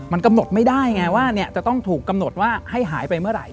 มันกำหนดไม่ได้ไงว่าจะต้องถูกกำหนดว่าให้หายไปเมื่อไหร่